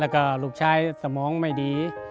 แล้วก็ลูกชายสมองไม่ดี